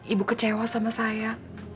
ibu kecewa sama saya